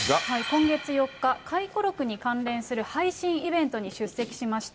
今月４日、回顧録に関連する配信イベントに出席しました。